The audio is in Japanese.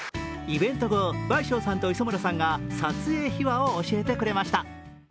イベント後、倍賞さんと磯村さんが撮影秘話を教えてくれました。